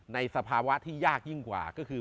สภาวะที่ยากยิ่งกว่าก็คือ